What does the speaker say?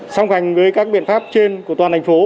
song hành với các biện pháp trên của toàn thành phố